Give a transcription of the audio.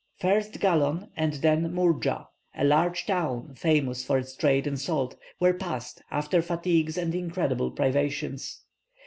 First Gallon and then Mourja, a large town, famous for its trade in salt, were passed, after fatigues and incredible privations.